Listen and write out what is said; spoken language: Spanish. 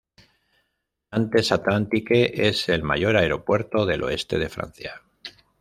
Nantes Atlantique es el mayor aeropuerto del oeste de Francia.